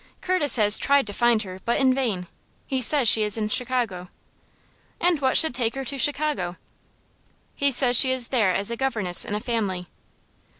Curtis has tried to find her, but in vain. He says she is in Chicago." "And what should take her to Chicago?" "He says she is there as a governess in a family."